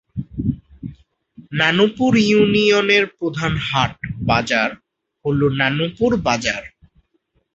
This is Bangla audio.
নানুপুর ইউনিয়নের প্রধান হাট/বাজার হল নানুপুর বাজার।